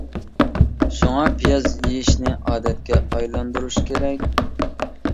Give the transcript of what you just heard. شۇڭا، پىياز يېيىشنى ئادەتكە ئايلاندۇرۇش كېرەك.